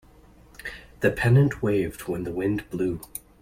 The pennant waved when the wind blew.